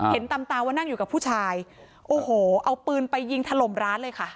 เห็นตามตาว่านั่งอยู่กับผู้ชายโอ้โหเอาปืนไปยิงถล่มร้านเลยค่ะ